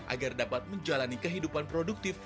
agar dapat menjalani kehidupan produktif